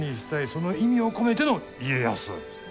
その意味を込めての「家康」。